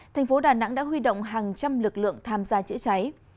thành phố đà nẵng đã huy động hàng trăm lực lượng tham gia chữa cháy